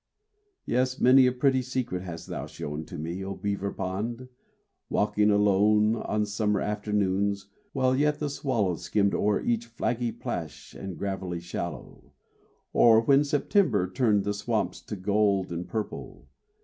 Yes, many a pretty secret hast thou shown To me, O Beaver Pond, walking alone On summer afternoons, while yet the swallow Skimmed o'er each flaggy plash and gravelly shallow; Or when September turned the swamps to gold And purple.